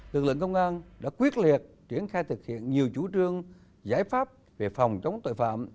lực lượng công an đã quyết liệt triển khai thực hiện nhiều chủ trương giải pháp về phòng chống tội phạm